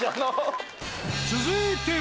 続いては。